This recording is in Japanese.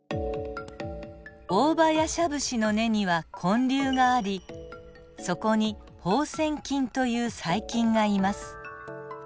オオバヤシャブシの根には根粒がありそこに放線菌という細菌がいます。